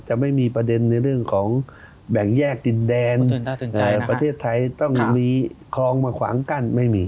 จะไม่มีประเด็นในเรื่องของแบ่งแยกดินแดนประเทศไทยต้องมีคลองมาขวางกั้นไม่มี